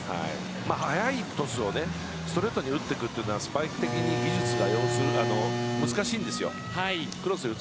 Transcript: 速いトスをストレートに打ってくるのはスパイク的に技術、難しいんです。